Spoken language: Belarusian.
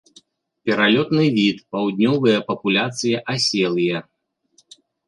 Пералётны від, паўднёвыя папуляцыі аселыя.